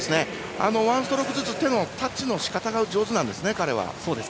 ワンストロークずつ手のタッチのしかたが上手なんです、彼は。